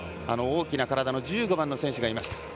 大きな体の１５番の選手がいました。